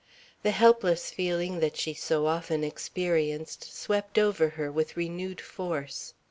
The helpless feeling that she so often experienced swept over her with renewed force.